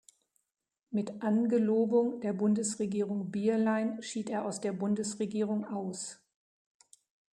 Mit Angelobung der Bundesregierung Bierlein schied er aus der Bundesregierung aus.